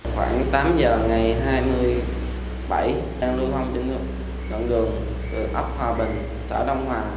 khoảng tám giờ ngày hai mươi bảy đoàn đường từ ấp hòa bình xã đông hòa